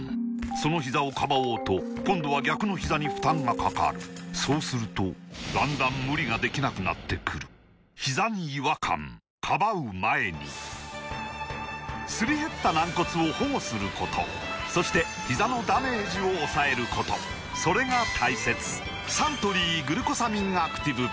そのひざをかばおうと今度は逆のひざに負担がかかるそうするとだんだん無理ができなくなってくるすり減った軟骨を保護することそしてひざのダメージを抑えることそれが大切サントリー「グルコサミンアクティブ」